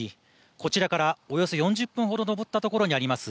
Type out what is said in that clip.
こちらから、およそ４０分ほど登ったところにあります